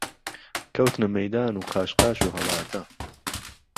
کەوتنە مەیدان و قاش قاش و هەڵاتە